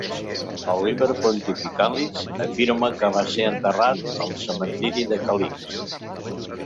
El "Liber Pontificalis" afirma que va ser enterrat al cementiri de Calixt.